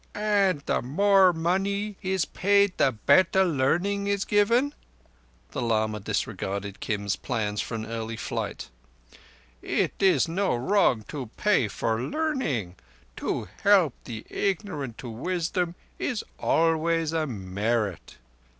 "And—the more money is paid the better learning is given?" The lama disregarded Kim's plans for an early flight. "It is no wrong to pay for learning. To help the ignorant to wisdom is always a merit."